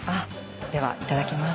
ではいただきます。